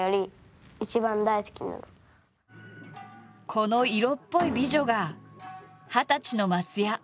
この色っぽい美女が二十歳の松也。